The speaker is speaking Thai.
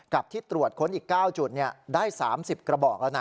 ที่ตรวจค้นอีก๙จุดได้๓๐กระบอกแล้วนะ